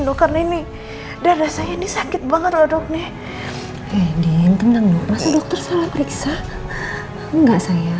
dokter neni dada saya ini sakit banget dokter edwin tenang dokter salah periksa enggak saya